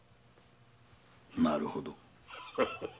なるほど。